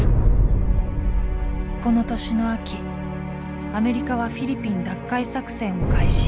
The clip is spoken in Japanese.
この年の秋アメリカはフィリピン奪回作戦を開始。